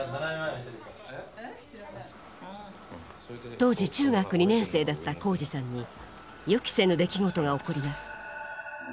当時中学２年生だった宏司さんに予期せぬ出来事が起こります。